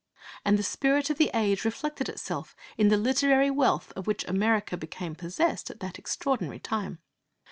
And the spirit of the age reflected itself in the literary wealth of which America became possessed at that extraordinary time.